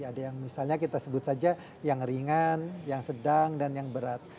ada yang misalnya kita sebut saja yang ringan yang sedang dan yang berat